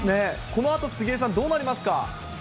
このあと杉江さん、どうなりますか？